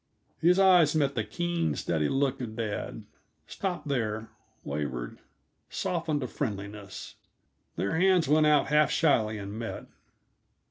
His eyes met the keen, steady look of dad, stopped there, wavered, softened to friendliness. Their hands went out half shyly and met.